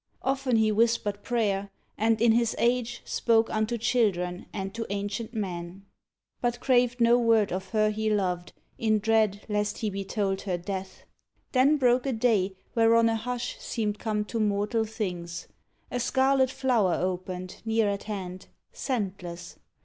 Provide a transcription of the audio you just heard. Often he whispered prayer, and, in his age, Spoke unto children and to ancient men, 99 JUS'TICE But craved no word of her he loved, in dread Lest he be told her death. Then broke a day Whereon a hush seemed come to mortal things. A scarlet flower opened, near at hand. Scentless.